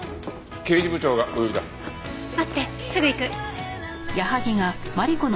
待ってすぐ行く。